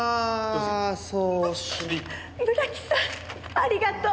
ありがとう。